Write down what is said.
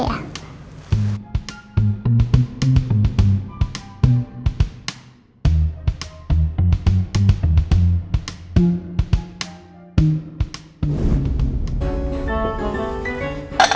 masakan kesukaan papa apa ya